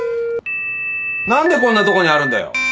何でこんなとこにあるんだよ。